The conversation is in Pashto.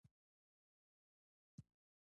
انسان ځینې ارزښتونه او ځانګړتیاوې لري.